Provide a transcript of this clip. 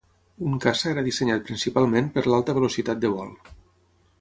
Un caça era dissenyat principalment per a l'alta velocitat de vol.